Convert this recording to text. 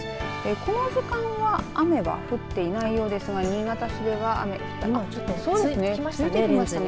この時間は雨は降っていないようですが新潟市では雨付いてきましたね。